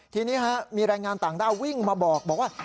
ทีนี้มีแรงงานต่างด้าววิ่งมาบอกว่า